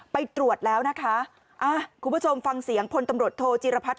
ไปตรวจแล้วนะคะอ่ะคุณผู้ชมฟังเสียงพลตำรวจโทจิรพัฒน